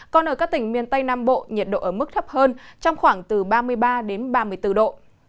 còn ở các tỉnh miền tây nam bộ nhiệt độ ở mức thấp hơn trong khoảng từ ba mươi ba đến ba mươi bốn độ